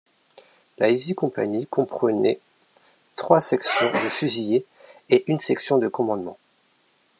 La Easy Company comprenait trois sections de fusiliers et une section de commandement.